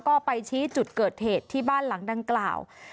ก็ไปชี้จุดเกิดเหตุที่บ้านหลังดังกล่าว